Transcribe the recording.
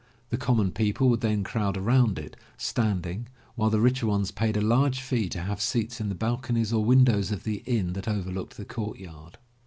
The common people would then crowd around it, standing, while the richer ones paid a large fee to have seats in the balconies or windows of the inn that overlooked the courtyard.